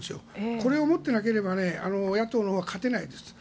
これを持っていないと野党のほうは勝てないです。